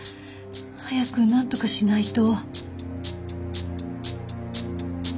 早くなんとかしないと。